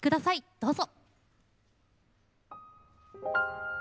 どうぞ。